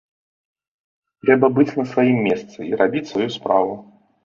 Трэба быць на сваім месцы і рабіць сваю справу!